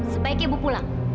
sebaiknya ibu pulang